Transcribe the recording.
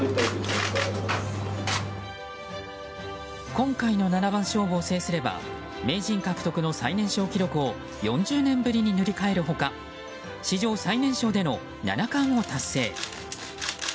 今回の七番勝負を制すれば名人獲得の最年少記録を４０年ぶりに塗り替える他史上最年少での七冠を達成。